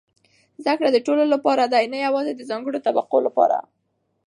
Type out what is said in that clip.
زده کړه د ټولو لپاره ده، نه یوازې د ځانګړو طبقو لپاره.